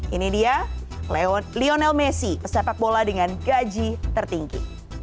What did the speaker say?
ini dia lionel messi pesepak bola dengan gaji tertinggi